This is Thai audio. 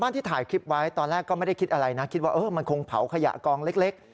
ตอนแรกก็ไม่ได้คิดอะไรนะคิดว่ามันคงเผาขยะกองเล็ก